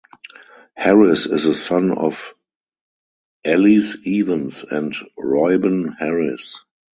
Harris is the son of Allies Evans and Reuben Harris.